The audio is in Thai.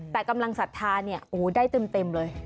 แต่กำลังศรัทธาเนี่ยโอ้ได้เต็มเลย